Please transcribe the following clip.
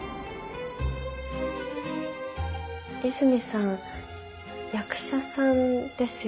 泉さん役者さんですよね。